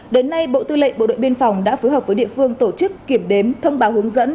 đến nay bộ tư lệnh bộ đội biên phòng đã phối hợp với địa phương tổ chức kiểm đếm thông báo hướng dẫn